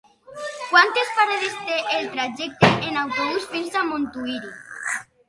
Quantes parades té el trajecte en autobús fins a Montuïri?